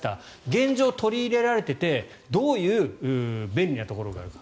現状、取り入れられていてどういう便利なところがあるか。